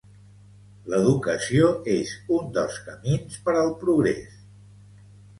L'educació és un dels camins per al progrés.